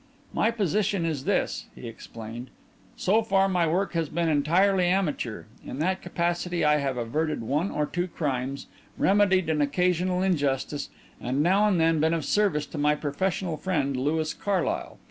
"My position is this," he explained. "So far my work has been entirely amateur. In that capacity I have averted one or two crimes, remedied an occasional injustice, and now and then been of service to my professional friend, Louis Carlyle.